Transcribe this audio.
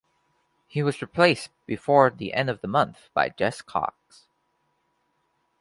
He was replaced before the end of the month by Jess Cox.